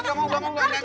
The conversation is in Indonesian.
kamu mau selesai